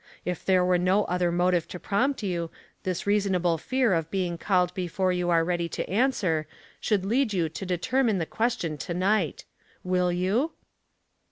If there were no other motive to prompt you, this reasonable feai of being called before you are ready to answer should lead you to determine the question to night. Will you?"